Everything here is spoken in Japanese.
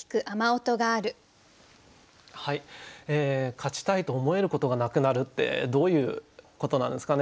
勝ちたいと思えることがなくなるってどういうことなんですかね。